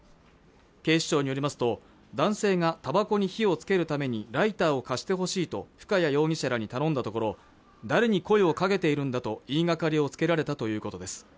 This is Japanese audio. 警視庁によりますと男性がたばこに火をつけるためにライターを貸してほしいと深谷容疑者らに頼んだところ誰に声をかけているんだと言いがかりをつけられたということです